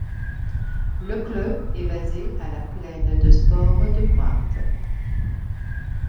Le club est basé à la Plaine de sports de Cointe.